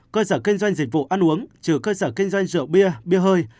cơ sở kinh doanh dịch vụ ăn uống trừ cơ sở kinh doanh rượu bia bia hơi